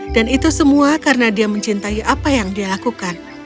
dan itu semua karena dia mencintai apa yang dia lakukan